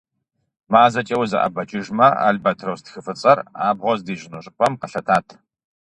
МазэкӀэ узэӀэбэкӀыжымэ, албатрос тхыфӀыцӀэр абгъуэ здищӀыну щӀыпӀэм къэлъэтат.